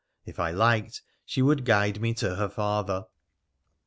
If I liked, she would guide me to her father.